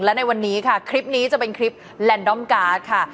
และในวันนี้ค่ะคลิปนี้จะเป็นคลิปแลนดอมการ์ดค่ะ